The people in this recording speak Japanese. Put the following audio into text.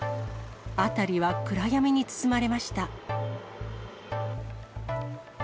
辺りは暗闇に包まれました。